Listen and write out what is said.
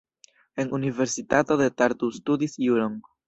En Universitato de Tartu studis juron.